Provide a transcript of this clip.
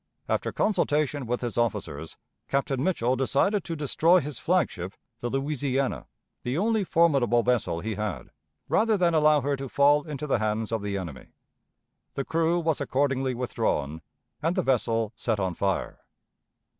After consultation with his officers. Captain Mitchell decided to destroy his flagship, the Louisiana, the only formidable vessel he had, rather than allow her to fall into the hands of the enemy. The crew was accordingly withdrawn, and the vessel set on fire.